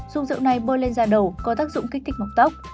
dùng rượu này bôi lên da đầu có tác dụng kích thích mọc tóc